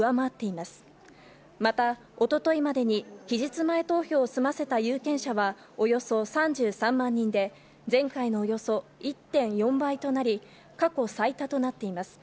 また、おとといまでに期日前投票を済ませた有権者はおよそ３３万人で、前回のおよそ１．４倍となり、過去最多となっています。